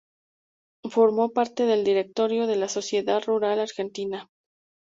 Formó parte del directorio de la Sociedad Rural Argentina.